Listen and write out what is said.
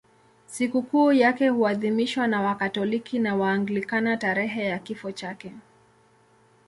Sikukuu yake huadhimishwa na Wakatoliki na Waanglikana tarehe ya kifo chake.